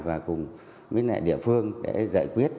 và cùng với địa phương để giải quyết